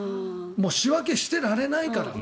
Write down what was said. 仕分けしてられないから。